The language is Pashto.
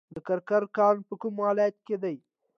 د کرکر کان په کوم ولایت کې دی؟